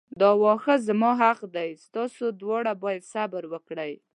دا واښه زما حق دی تاسو دواړه باید صبر وکړئ.